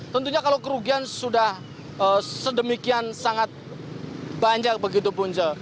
tentunya kalau kerugian sudah sedemikian sangat banyak begitu punca